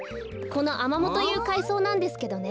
このアマモというかいそうなんですけどね。